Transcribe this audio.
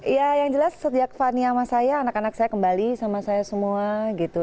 ya yang jelas sejak fani sama saya anak anak saya kembali sama saya semua gitu